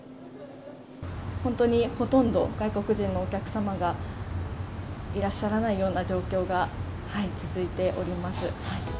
本当にほとんど外国人のお客様がいらっしゃらないような状況が、はい、続いております。